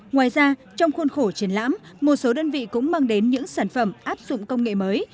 ngoài ra trong khuôn khổ triển lãm một số đơn vị cũng mang đến những sản phẩm áp dụng công nghệ mới